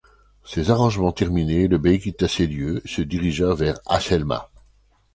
Ces arrangements terminés, le Bey quitta ces lieux, se dirigea vers Has El Ma.